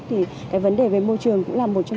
thì cái vấn đề về môi trường cũng là một trong